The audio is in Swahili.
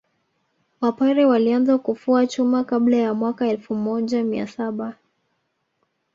Wapare walianza kufua chuma kabla ya mwaka elfu moja mia saba